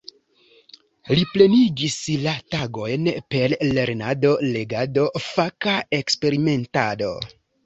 Li plenigis la tagojn per lernado, legado, faka eksperimentado.